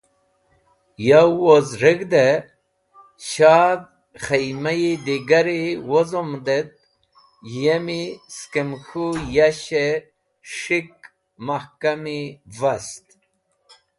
Yow woz reg̃hde, shadh khimah-e digari wozom et yemi skem k̃hũ yash-e s̃hik mahkami vast.